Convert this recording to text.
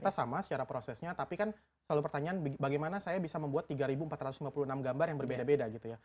kita sama secara prosesnya tapi kan selalu pertanyaan bagaimana saya bisa membuat tiga ribu empat ratus lima puluh enam gambar yang berbeda beda gitu ya